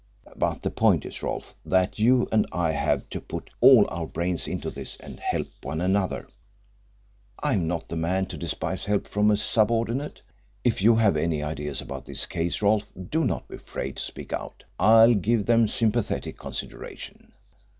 But the point is, Rolfe, that you and I have to put all our brains into this and help one another. I'm not the man to despise help from a subordinate. If you have any ideas about this case, Rolfe, do not be afraid to speak out, I'll give them sympathetic consideration."